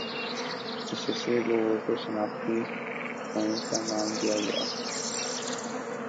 اس حصہ کو ووٹر شناختی یونٹ کا نام دیا گیا ہے